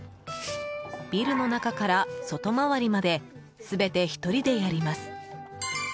ビルの中から外回りまで全て１人でやります。